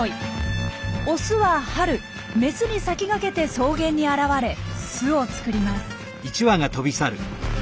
オスは春メスに先駆けて草原に現れ巣を作ります。